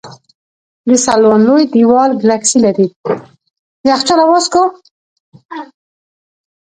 د سلوان لوی دیوال ګلکسي لري.